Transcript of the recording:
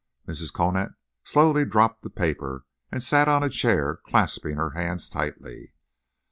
Mrs. Conant slowly dropped the paper, and sat on a chair, clasping her hands tightly.